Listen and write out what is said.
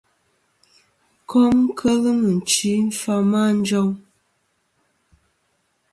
Kom kel mɨ̀nchi fama a njoŋ.